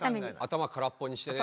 頭空っぽにしてね。